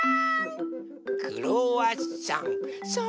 クロワッサン。